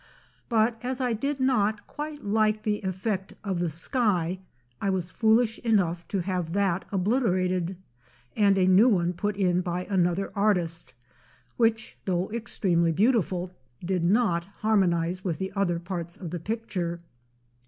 But as I did not quite like the effect of the sky, I was foolish enough to have that obliterated, and a new one put in by another artist which, though extremely beautiful, did not harmonise with the other parts of the picture.